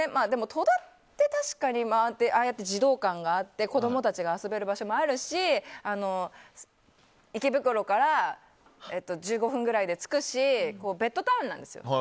戸田って確かにああやって児童館があって子供たちが遊べる場所もあるし池袋から１５分くらいで着くしベッドタウンなんですよ。